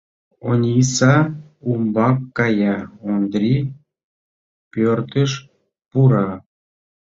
Ониса умбак кая, Ондрий пӧртыш пура.